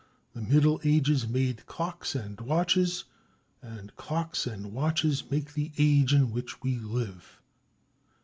The Middle Ages made clocks and watches; and clocks and watches make the age in which we live.